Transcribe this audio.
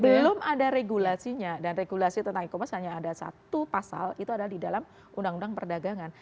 belum ada regulasinya dan regulasi tentang e commerce hanya ada satu pasal itu adalah di dalam undang undang perdagangan